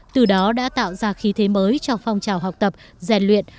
từ đó đã tạo ra khí thế mới cho phong trào học tập rèn luyện